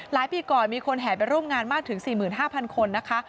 ปีก่อนมีคนแห่ไปร่วมงานมากถึง๔๕๐๐คนนะคะ